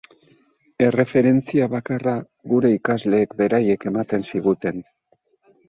Erreferentzia bakarra gure ikasleek beraiek ematen ziguten.